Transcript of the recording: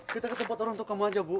kita ke tempat orang tukang wajah bu